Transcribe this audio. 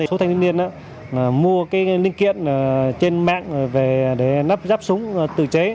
số thanh niên mua cái linh kiện trên mạng để nắp giáp súng tự chế